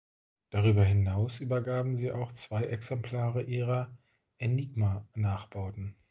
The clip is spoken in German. Darüber hinaus übergaben sie auch zwei Exemplare ihrer Enigma-Nachbauten.